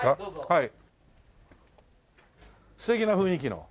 はい。